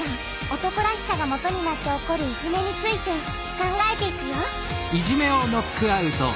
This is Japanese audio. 「男らしさ」がもとになって起こる「いじめ」について考えていくよ